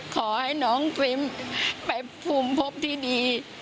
ขอให้น้องฟริมไปภูมิพบที่ดี